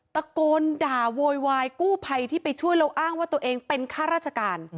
ตะโกนด่าโวยวายกู้ภัยที่ไปช่วยแล้วอ้างว่าตัวเองเป็นข้าราชการ